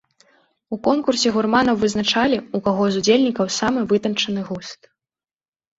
У конкурсе гурманаў вызначалі, у каго з удзельнікаў самы вытанчаны густ.